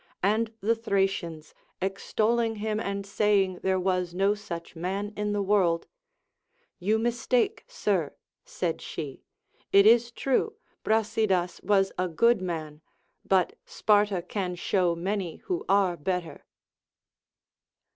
And the Thracians extolUng him and saying there was no such man in the world ; You mistake, sir, said she, it is true, Brasidas was a good man, but Sparta can show many Avho are better.